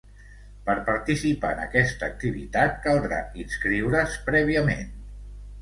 Per participar en aquesta activitat caldrà inscriure’s prèviament.